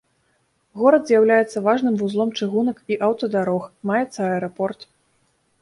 Горад з'яўляецца важным вузлом чыгунак і аўтадарог, маецца аэрапорт.